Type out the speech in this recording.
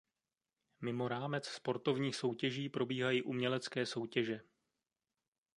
Mimo rámec sportovních soutěží probíhají umělecké soutěže.